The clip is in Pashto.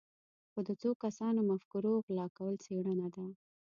خو د څو کسانو د مفکورو غلا کول څېړنه ده.